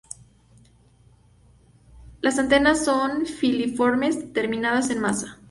Las antenas son filiformes terminadas en maza.